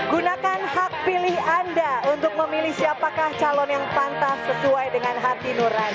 gunakan hak pilih anda untuk memilih siapakah calon yang pantas sesuai dengan hati nurani